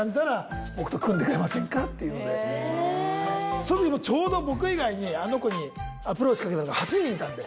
その時もちょうど僕以外にあの子にアプローチかけたのが８人いたんで。